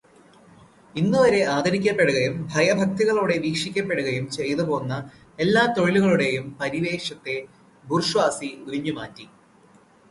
ഇന്നുവരെ ആദരിക്കപ്പെടുകയും ഭയഭക്തികളോടെ വീക്ഷിക്കപ്പെടുകയും ചെയ്തുപോന്ന എല്ലാ തൊഴിലുകളുടേയും പരിവേഷത്തെ ബൂർഷ്വാസി ഉരിഞ്ഞുമാറ്റി.